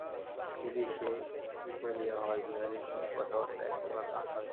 দিদি, সে কী করিয়া হয়–বিহারীর সঙ্গে কথাবার্তা একপ্রকার পাকা হইয়াছে।